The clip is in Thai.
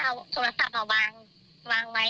วางไว้กับโต๊ะบนโต๊ะค่ะห้ามแบบห้ามบันทึกอะไรอย่างเงี้ย